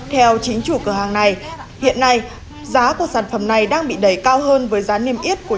theo chính chủ cửa hàng này hiện nay giá của sản phẩm này đang bị đẩy cao hơn với giá niêm yết của